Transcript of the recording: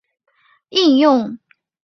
脚注引用